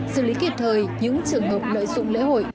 xử lý kịp thời những trường hợp lợi dụng lễ hội